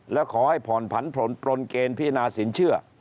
และขอให้ผ่อนผันผลปลนเกณฑ์พินาสินเชื่อ